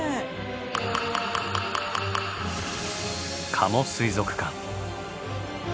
加茂水族館。